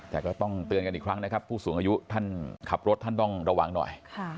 แต่ก็ต้องเตือนกันอีกครั้งนะครับผู้สูงอายุท่านขับรถท่านต้องระวังหน่อย